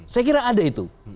saya kira ada itu